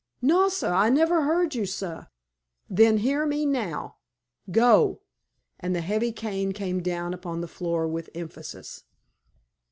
"No, sah; I never heard you, sah!" "Then hear me now Go!" And the heavy cane came down upon the floor with emphasis.